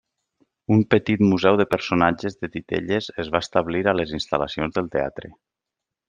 Un petit museu de personatges de titelles es va establir a les instal·lacions del teatre.